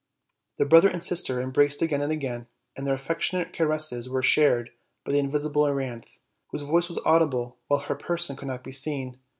The brother and sister embraced again and again, and their affectionate caresses were shared by the invisible Euryanthe, whose voice was audible while her person could not be seen.